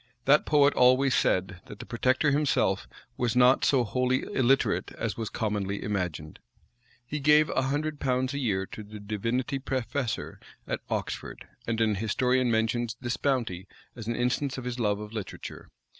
That poet always said, that the protector himself was not so wholly illiterate as was commonly imagined. He gave a hundred pounds a year to the divinity professor at Oxford; and an historian mentions this bounty as an instance of his love of literature.